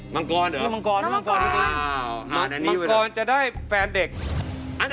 มังกรมังกรมังกร